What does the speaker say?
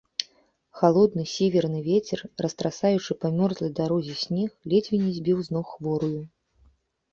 Халодны сіверны вецер, растрасаючы па мёрзлай дарозе снег, ледзьве не збіў з ног хворую.